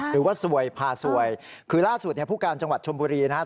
หรือว่าสวยพาสวยคือล่าสุดเนี่ยผู้การจังหวัดชมบุรีนะฮะ